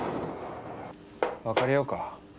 別れようか。